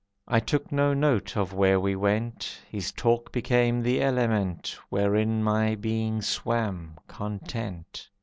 I took no note of where we went, His talk became the element Wherein my being swam, content.